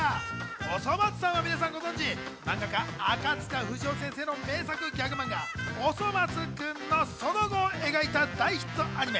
『おそ松さん』は皆さんご存じ漫画家、赤塚不二夫先生の名作ギャグ漫画『おそ松くん』のその後を描いた大ヒットアニメ。